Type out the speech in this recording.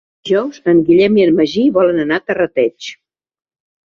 Dijous en Guillem i en Magí volen anar a Terrateig.